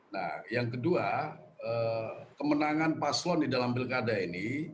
nah yang kedua kemenangan paslon di dalam pilkada ini